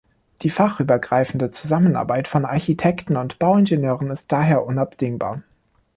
Die fachübergreifende Zusammenarbeit von Architekten und Bauingenieuren ist daher unabdingbar.